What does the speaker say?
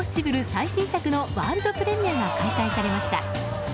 最新作のワールドプレミアが開催されました。